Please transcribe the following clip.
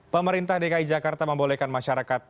pemerintah dki jakarta membolehkan masyarakat